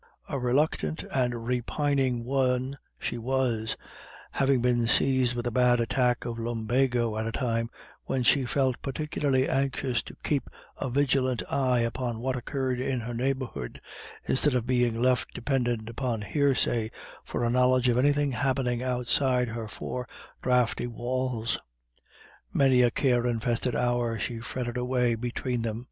A reluctant and repining one she was, having been seized with a bad attack of lumbago at a time when she felt particularly anxious to keep a vigilant eye upon what occurred in her neighbourhood, instead of being left dependent upon hearsay for a knowledge of anything happening outside her four draughty walls. Many a care infested hour she fretted away between them.